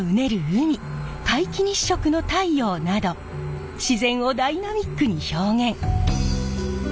海皆既日食の太陽など自然をダイナミックに表現。